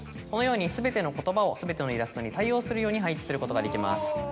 このように全ての言葉を全てのイラストに対応するように配置することができます。